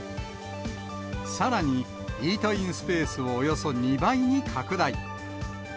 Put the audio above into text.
さらに、イートインスペースをおよそ２倍に拡大。